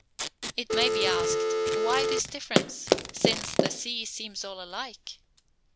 It may be asked, Why this difference, since the sea seems all alike?